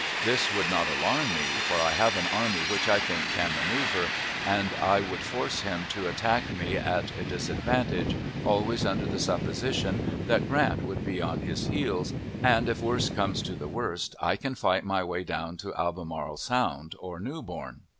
This would not alarm me, for I have an army which I think can maneuver, and I world force him to attack me at a disadvantage, always under the supposition that Grant would be on his heels; and, if the worst come to the worst, I can fight my way down to Albermarle Sound, or Newbern.